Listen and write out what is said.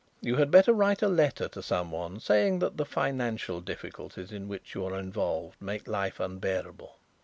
You had better write a letter to someone saying that the financial difficulties in which you are involved make life unbearable."